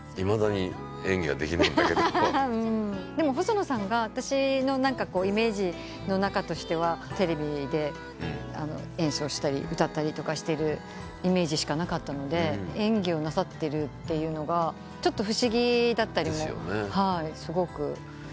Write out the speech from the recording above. でも細野さんが私のイメージの中としてはテレビで演奏したり歌ったりしてるイメージしかなかったので演技をなさってるっていうのがちょっと不思議だったりも。ですよね。